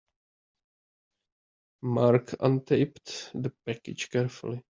Mark untaped the package carefully.